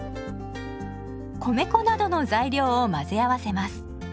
米粉などの材料を混ぜ合わせます。